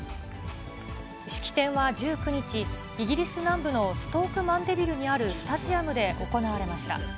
式典は１９日、イギリス南部のストーク・マンデビルにあるスタジアムで行われました。